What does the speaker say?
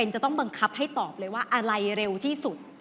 จะต้องบังคับให้ตอบเลยว่าอะไรเร็วที่สุด